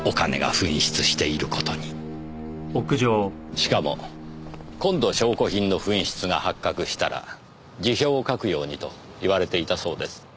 しかも今度証拠品の紛失が発覚したら辞表を書くようにと言われていたそうです。